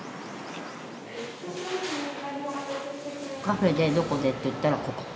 カフェでどこでって言ったらここ。